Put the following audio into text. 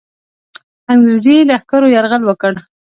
انګرېزي لښکرو یرغل وکړ.